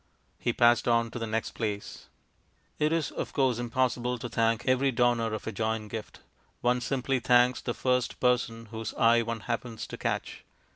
He passed on to the next place.... It is, of course, impossible to thank every donor of a joint gift; one simply thanks the first person whose eye one happens to catch.